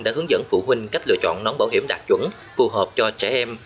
đã hướng dẫn phụ huynh cách lựa chọn nón bảo hiểm đạt chuẩn phù hợp cho trẻ em